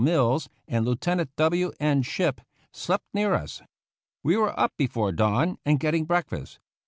Mills and Lieutenant W. E. Shipp, slept near us. We were up before dawn and getting breakfast.